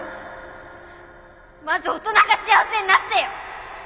まず大人が幸せになってよ！